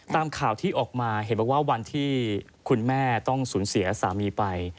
ตามข่าวที่ออกมาเห็นบอกว่าวันที่คุณแม่ต้องสูญเสียสามีไป